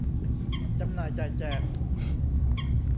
จำหน่ายจ่ายแจก